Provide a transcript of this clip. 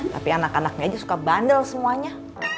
tapi anak anaknya aja suka bandel semuanya